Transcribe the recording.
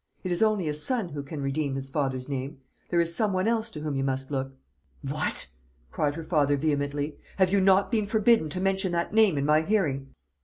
It is only a son who can redeem his father's name. There is some one else to whom you must look " "What!" cried her father vehemently, "have you not been forbidden to mention that name in my hearing?